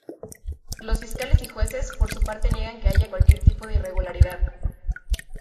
Los fiscales y jueces, por su parte niegan que haya cualquier tipo de irregularidad.